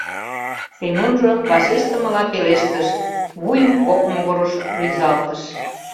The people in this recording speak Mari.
— Семонжо вашештымыла пелештыш, вуйым кок могырыш рӱзалтыш.